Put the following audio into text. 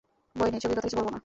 ভয় নেই, ছবির কথা কিছু বলব না।